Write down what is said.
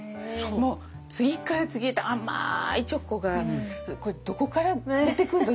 もう次から次へと甘いチョコがこれどこから出てくるの？